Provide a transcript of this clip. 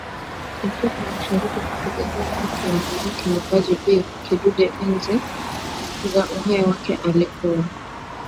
afrika mashariki Kupigania haki za wanawake Mwimbaji Bi Kidude enzi za uhai wake Alikuwa